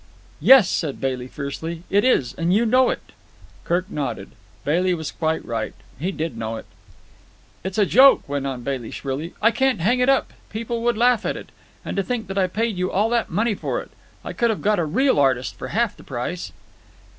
"Yes," said Bailey fiercely. "It is, and you know it." Kirk nodded. Bailey was quite right. He did know it. "It's a joke," went on Bailey shrilly. "I can't hang it up. People would laugh at it. And to think that I paid you all that money for it. I could have got a real artist for half the price."